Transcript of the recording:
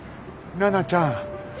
奈々ちゃん。